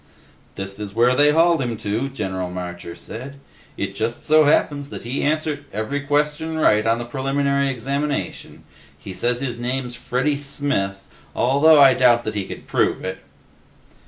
"This is where they hauled him to," General Marcher said. "It just so happens that he answered every question right on the preliminary examination. He says his name's Freddy Smith, although I doubt that he could prove it."